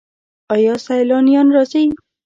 آیا سیلانیان راځي؟